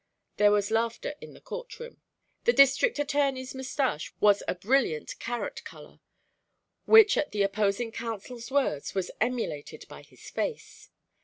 There was laughter in the court room. The District Attorney's moustache was a brilliant carrot color, which at the opposing counsel's words, was emulated by his face.